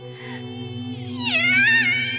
嫌！